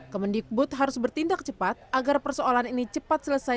kemendikbud harus bertindak cepat agar persoalan ini cepat selesai